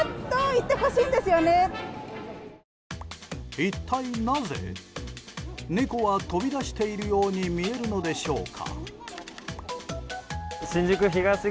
一体なぜ猫は飛び出しているように見えるのでしょうか。